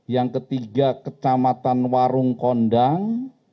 yang ketiga kecamatan warungkondang